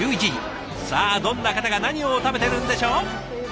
さあどんな方が何を食べてるんでしょう？